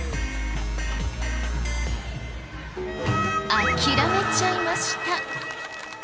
諦めちゃいました。